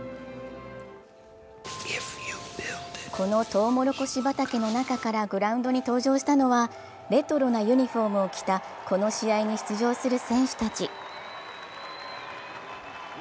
このとうもろこし畑の中からグラウンドに登場したのはレトロなユニフォームを着たこの試合に出場する選手たち。